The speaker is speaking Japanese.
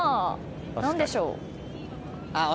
何でしょう。